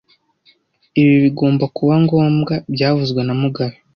Ibi bigomba kuba ngombwa byavuzwe na mugabe